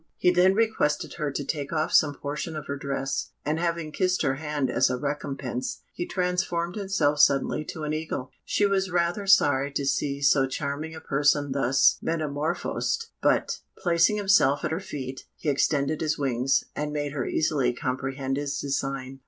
He then requested her to take off some portion of her dress, and having kissed her hand as a recompense, he transformed himself suddenly to an eagle. She was rather sorry to see so charming a person thus metamorphosed, but, placing himself at her feet, he extended his wings, and made her easily comprehend his design.